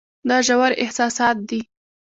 دا ژور احساسات دي.